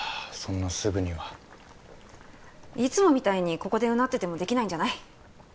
そんなすぐにはいつもみたいにここでうなっててもできないんじゃない？